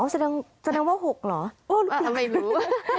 อ๋อแสดงแสดงว่าหกเหรอไม่รู้ไม่รู้หรอกค่ะ